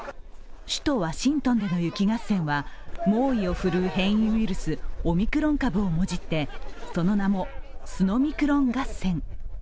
首都ワシントンでの雪合戦は猛威を振るう変異ウイルスオミクロン株をもじって、その名もスノミクロン合戦。